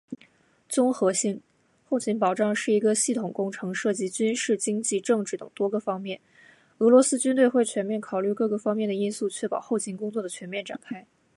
综合性：后勤保障是一个系统工程，涉及军事、经济、政治等多个方面。俄罗斯军队会全面考虑各个方面的因素，确保后勤工作的全面展开。